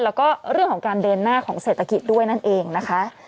แล้วก็เรื่องของการเดินหน้าของเศรษฐกิจด้วยนั่นเองนะคะ